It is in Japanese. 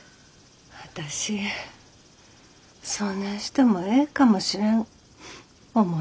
私そねんしてもええかもしれん思よった。